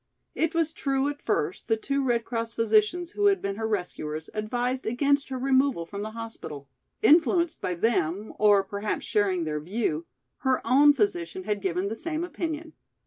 It was true at first the two Red Cross physicians who had been her rescuers advised against her removal from the hospital. Influenced by them, or perhaps sharing their view, her own physician had given the same opinion.